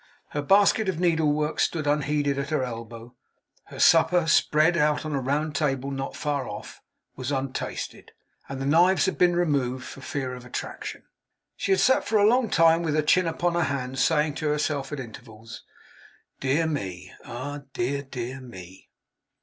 Her basket of needle work stood unheeded at her elbow; her supper, spread on a round table not far off, was untasted; and the knives had been removed for fear of attraction. She had sat for a long time with her chin upon her hand, saying to herself at intervals, 'Dear me! Ah, dear, dear me!